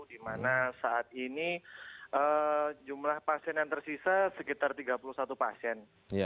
di mana saat ini jumlah pasien yang tersisa sekitar tiga puluh satu pasien